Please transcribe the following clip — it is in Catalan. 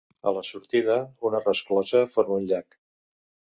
A la sortida una resclosa forma un llac.